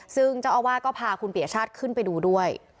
ซึ่งเจ้าอาวาสก็พาคุณปียชาติขึ้นไปดูด้วย